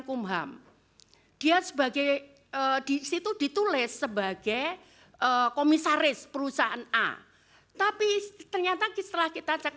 kumham dia sebagai disitu ditulis sebagai komisaris perusahaan a tapi ternyata setelah kita cek